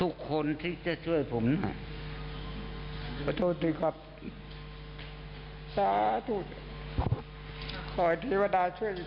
ขออธิวดาช่วยดีกว่า